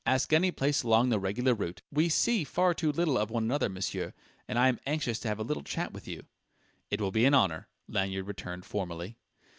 Ask any place along the regular route. We see far too little of one another, monsieur and I am most anxious to have a little chat with you." "It will be an honour," Lanyard returned formally....